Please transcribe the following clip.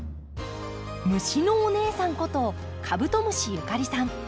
虫のお姉さんことカブトムシゆかりさん。